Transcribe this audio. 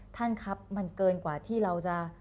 ท่านครับมันเกินกว่าที่เราจะ